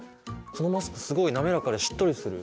このマスクすごい滑らかでしっとりする。